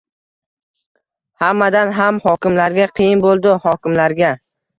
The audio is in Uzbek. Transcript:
Hammadan ham hokimlarga qiyin bo`ldi, hokimlarga